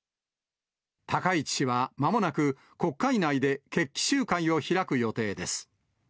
高市氏はまもなく国会内で決起集会を開く予定です。